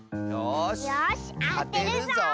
よしあてるぞ！